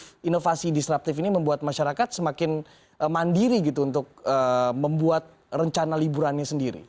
apakah inovasi disruptif ini membuat masyarakat semakin mandiri gitu untuk membuat rencana liburannya sendiri